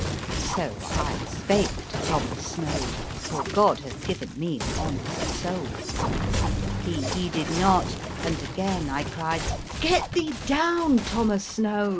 So I spake to Thomas Snoad, for God hath given me a honest soul. He heeded not, and again I cried : 11 Get thee down, Thomas Snoad!